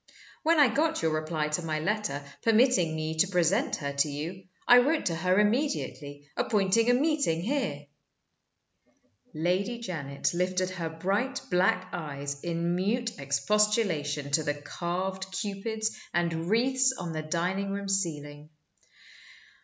When I got your reply to my letter, permitting me to present her to you, I wrote to her immediately, appointing a meeting here." Lady Janet lifted her bright black eyes in mute expostulation to the carved Cupids and wreaths on the dining room ceiling.